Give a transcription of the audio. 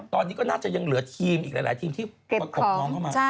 ตอนนี้ก็น่าจะยังเหลือทีมอีกหลายทีมที่ประกบน้องเข้ามา